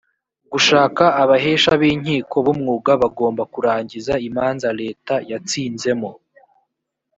gushaka abahesha b inkiko b umwuga bagomba kurangiza imanza leta yatsinzemo